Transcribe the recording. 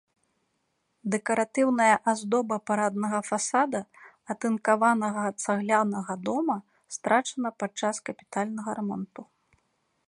Дэкаратыўная аздоба параднага фасада атынкаванага цаглянага дома страчана падчас капітальнага рамонту.